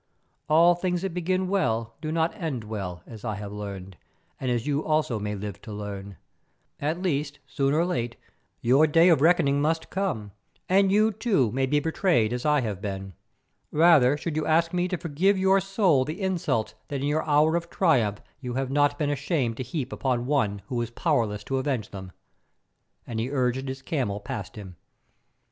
All things that begin well do not end well, as I have learned, and as you also may live to learn. At least, soon or late, your day of reckoning must come, and you, too, may be betrayed as I have been. Rather should you ask me to forgive your soul the insults that in your hour of triumph you have not been ashamed to heap upon one who is powerless to avenge them," and he urged his camel past him.